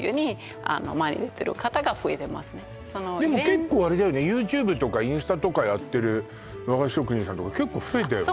結構あれだよねＹｏｕＴｕｂｅとかインスタとかやってる和菓子職人さんとか結構増えたよね